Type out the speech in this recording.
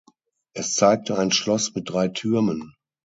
Es zeigte ein Schloss mit drei Türmen.